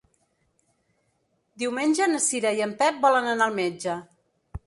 Diumenge na Cira i en Pep volen anar al metge.